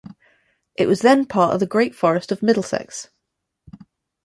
It was then part of the great Forest of Middlesex.